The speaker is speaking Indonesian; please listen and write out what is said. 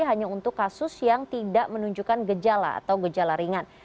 hanya untuk kasus yang tidak menunjukkan gejala atau gejala ringan